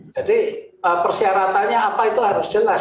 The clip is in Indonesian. jadi persyaratannya apa itu harus jelas